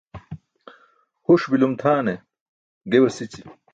Huṣ bi̇lum tʰaana ge basi̇ći̇.